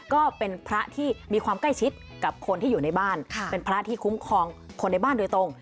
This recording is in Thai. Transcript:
ก็เป็นพระที่มีความใกล้ชิดกับคนที่อยู่ในบ้านเป็นพระที่คุ้มครองคนในบ้านโดยตรง